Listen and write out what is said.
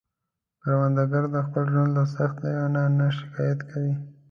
کروندګر د خپل ژوند له سختیو نه نه شکايت کوي